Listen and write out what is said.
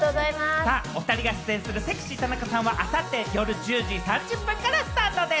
おふたりが出演する『セクシー田中さん』は、あさって夜１０時３０分からスタートです。